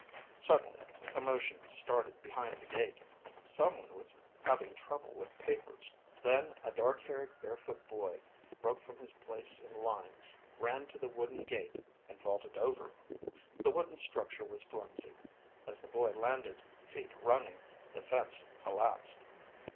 Suddenly a commotion started behind the gate. Someone was having trouble with papers. Then a dark haired, barefoot boy broke from his place in line, ran to the wooden gate, and vaulted over. The wooden structure was flimsy. As the boy landed, feet running, the fence collapsed.